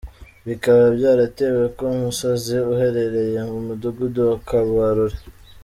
Bikaba byaratewe ku musozi uherereye mu mudugudu wa Kabarore.